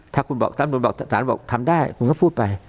ถ้าคุณบอกตำรวจบอกสารบอกทำได้คุณก็พูดไป